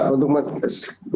untuk mbak anies memang